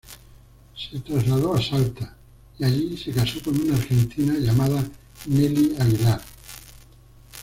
Se trasladó a Salta y allí se casó con una argentina llamada, Nelly Aguilar.